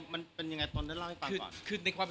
มันเป็นยังไงตอนได้เล่าให้ฟังก่อน